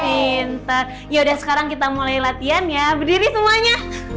entah yaudah sekarang kita mulai latihan ya berdiri semuanya